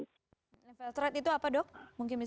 infiltrat itu apa dok